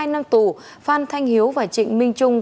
hai năm tù phan thanh hiếu và trịnh minh trung